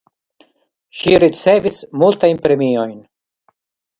Ŝi ricevis multajn premiojn.